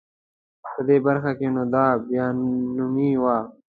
په دې برخه کې نو دای بیا نامي و.